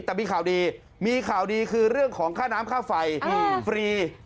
แต่มีข่าวดีคือเรื่องของค่าน้ำค่าไฟฟรี